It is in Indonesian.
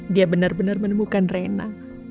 dia benar benar menemukan rena